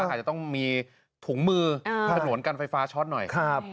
อาจจะต้องมีถุงมือถนนกันไฟฟ้าช็อตหน่อย